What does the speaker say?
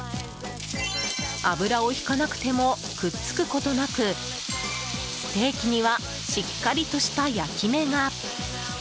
油をひかなくてもくっつくことなくステーキにはしっかりとした焼き目が。